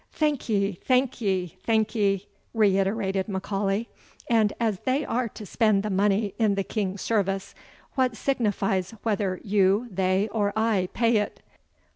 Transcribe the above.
"Thank ye thank ye thank ye," reiterated M'Aulay; "and as they are to spend the money in the King's service, what signifies whether you, they, or I pay it?